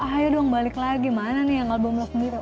ayo dong balik lagi mana nih yang album lo sendiri